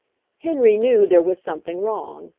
Henry knew there was something wrong.